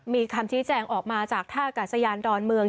มีคำชี้แจงออกมาจากท่ากาศยานดอนเมือง